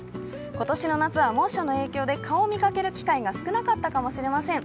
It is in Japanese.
今年の夏は猛暑の影響で蚊を見かける機会が少なかったかもしれません。